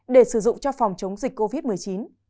để sử dụng cho phòng chống dịch covid một mươi chín